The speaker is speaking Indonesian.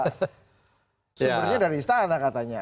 sumbernya dari istana katanya